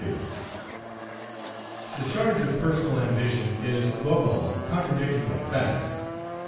The charge of personal ambition is, above all, contradicted by facts.